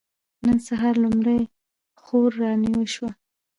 نن سهار لومړۍ خور را نوې شوه.